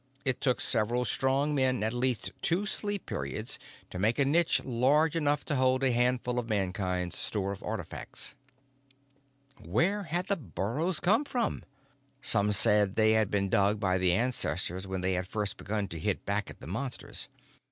It took several strong men at least two sleep periods to make a niche large enough to hold a handful of Mankind's store of artifacts. Where had the burrows come from? Some said they had been dug by the ancestors when they had first begun to hit back at the Monsters.